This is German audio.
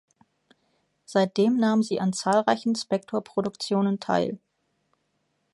Seitdem nahm sie an zahlreichen Spector-Produktionen teil.